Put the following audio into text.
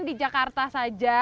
di jakarta saja